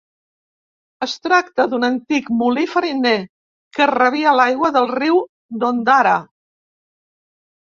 Es tracta d'un antic molí fariner, que rebia l'aigua del riu d'Ondara.